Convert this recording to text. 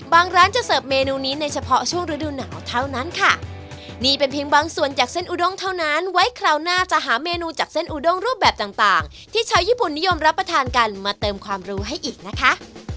ร้านจะเสิร์ฟเมนูนี้ในเฉพาะช่วงฤดูหนาวเท่านั้นค่ะนี่เป็นเพียงบางส่วนจากเส้นอุดงเท่านั้นไว้คราวหน้าจะหาเมนูจากเส้นอุดงรูปแบบต่างที่ชาวญี่ปุ่นนิยมรับประทานกันมาเติมความรู้ให้อีกนะคะ